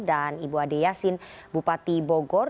dan ibu ade yasin bupati bogor